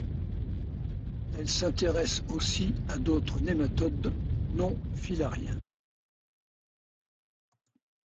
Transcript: Elle s’intéresse aussi à d'autres nématodes non-filariens.